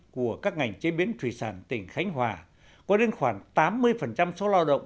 của các ngành chế biến thủy sản tỉnh khánh hòa có đến khoảng tám mươi số lao động